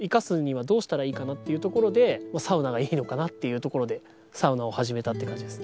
サウナがいいのかなっていうところでサウナを始めたって感じですね。